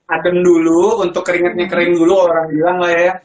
adem dulu untuk keringetnya kering dulu orang bilang lah ya